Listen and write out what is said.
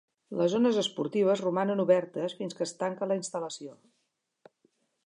Les zones esportives romanen obertes fins que es tanca la instal·lació.